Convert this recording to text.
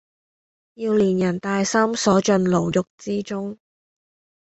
要連人帶心鎖進牢獄之中！